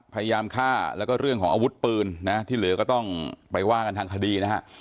พยายามฆ่าแล้วก็เรื่องของอาวุธปืนนะที่เหลือก็ต้องไปว่ากันทางคดีนะฮะ